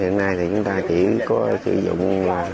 hiện nay thì chúng ta chỉ có sử dụng